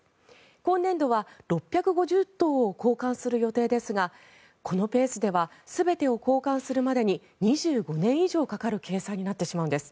今年度は６５０灯を交換する予定ですがこのペースでは全てを交換するまでに２５年以上かかる計算になってしまうんです。